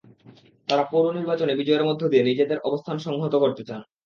তাঁরা পৌর নির্বাচনে বিজয়ের মধ্য দিয়ে নিজেদের অবস্থান সংহত করতে চান।